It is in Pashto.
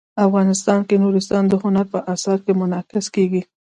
افغانستان کې نورستان د هنر په اثار کې منعکس کېږي.